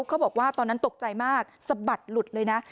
เขาบอกว่าตอนนั้นตกใจมากสะบัดหลุดเลยนะ